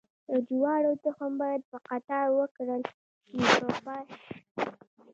د جوارو تخم باید په قطار وکرل شي که پاش؟